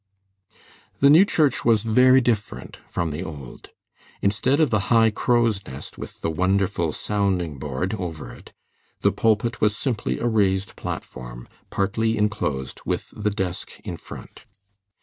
The new church was very different from the old. Instead of the high crow's nest, with the wonderful sounding board over it, the pulpit was simply a raised platform partly inclosed, with the desk in front.